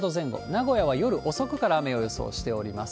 名古屋は夜遅くから雨を予想しております。